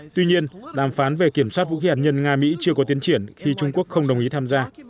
tuy nhiên đàm phán về kiểm soát vũ khí hạt nhân nga mỹ chưa có tiến triển khi trung quốc không đồng ý tham gia